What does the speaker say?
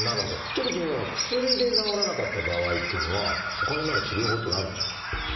ちょっと気になるのは薬で治らなかった場合っていうのはほかに何か治療法っていうのはあるんでしょうか？